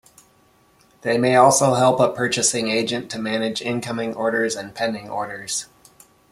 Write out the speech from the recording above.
They may also help a purchasing agent to manage incoming orders and pending orders.